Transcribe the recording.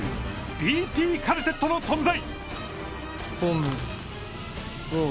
ＢＰカルテットの存在。